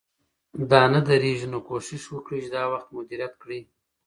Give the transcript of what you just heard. دا نه درېږي، نو کوشش وکړئ چې دا وخت مدیریت کړئ